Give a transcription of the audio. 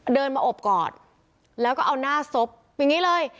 เดินมาอบกอดแล้วก็เอาหน้าศพอย่างนี้เลย